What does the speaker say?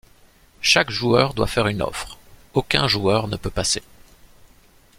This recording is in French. Chaque joueur doit faire une offre, aucun joueur ne peut passer.